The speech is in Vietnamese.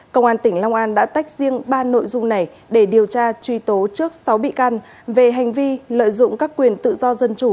công an tỉnh long an đã tách riêng ba nội dung này để điều tra truy tố trước sáu bị can về hành vi lợi dụng các quyền tự do dân chủ